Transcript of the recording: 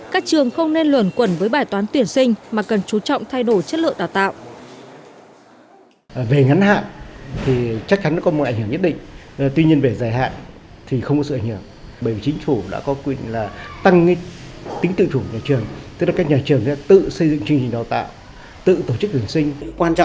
các trường không nên luẩn quẩn với bài toán tuyển sinh mà cần chú trọng thay đổi chất lượng đào tạo